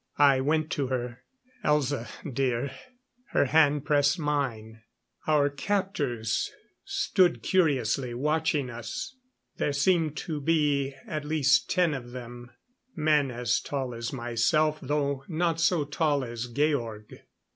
I went to her. "Elza, dear " Her hand pressed mine. Our captors stood curiously watching us. There seemed to be at least ten of them men as tall as myself, though not so tall as Georg.